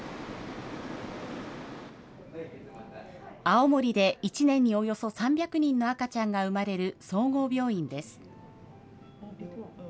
青森で１年におよそ３００人の赤ちゃんが生まれる総合病院です。